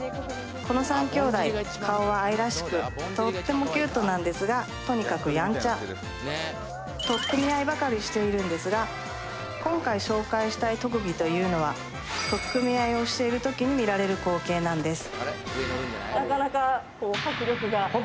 この３兄弟顔は愛らしくとってもキュートなんですがとにかくやんちゃばかりしているんですが今回紹介したい特技というのは取っ組み合いをしている時に見られる光景なんです